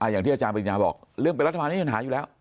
อย่างที่อาจารย์บรินาบอกเรื่องเป็นรัฐบาลมันอยู่หนาอยู่แล้ว